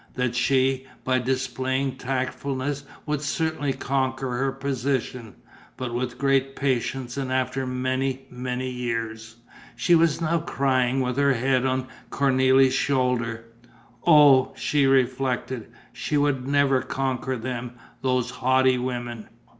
That she, by displaying tactfulness, would certainly conquer her position, but with great patience and after many, many years. She was now crying, with her head on Cornélie's shoulder: oh, she reflected, she would never conquer them, those haughty women!